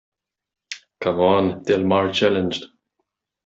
Come on, Del Mar challenged.